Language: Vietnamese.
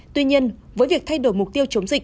tuy nhiên với việc thay đổi mục tiêu chống dịch